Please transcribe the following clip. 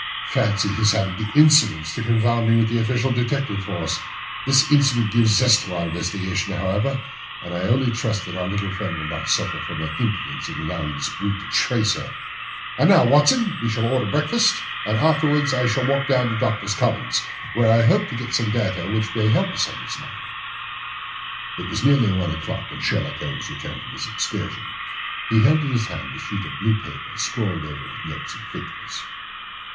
"Fancy his having the insolence to confound me with the official detective force! This incident gives zest to our investigation, however, and I only trust that our little friend will not suffer from her imprudence in allowing this brute to trace her. And now, Watson, we shall order breakfast, and afterwards I shall walk down to Doctors' Commons, where I hope to get some data which may help us in this matter." It was nearly one o'clock when Sherlock Holmes returned from his excursion. He held in his hand a sheet of blue paper, scrawled over with notes and figures.